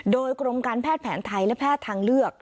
โดยกรมการแพทย์แผนไทยและแพทย์ทางเลือก